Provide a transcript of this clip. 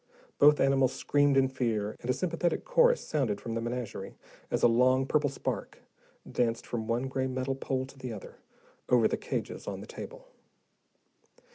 Both animals screamed in fear, and a sympathetic chorus sounded from the menagerie, as a long purple spark danced from one gray metal pole to the other, over the cages on the table.